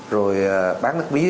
rồi bán nước mía